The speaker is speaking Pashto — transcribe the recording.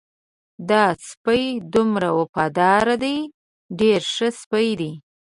دا سپی دومره وفادار دی ډېر ښه سپی دی.